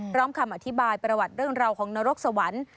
คำอธิบายประวัติเรื่องราวของนรกสวรรค์